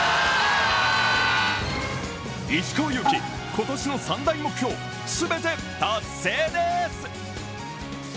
石川祐希、今年の３大目標、全て達成です！